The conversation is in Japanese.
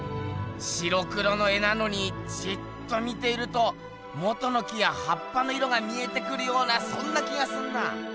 白黒の絵なのにじっと見ているともとの木やはっぱの色が見えてくるようなそんな気がすんなぁ。